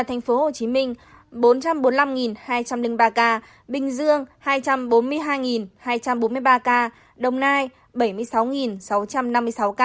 thành phố hồ chí minh bốn trăm bốn mươi năm hai trăm linh ba ca bình dương hai trăm bốn mươi hai hai trăm bốn mươi ba ca đồng nai bảy mươi sáu sáu trăm năm mươi sáu ca